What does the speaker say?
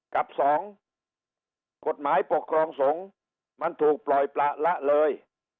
กับสองกฎหมายปกครองสงฆ์มันถูกปล่อยประละเลย